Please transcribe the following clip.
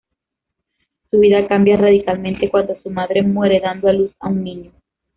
Su vida cambia radicalmente cuando su madre muere dando a luz a un niño.